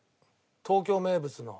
東京名物の。